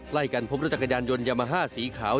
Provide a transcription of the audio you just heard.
ใกล้กันพบรถจักรยานยนต์ยามาฮ่าสีขาว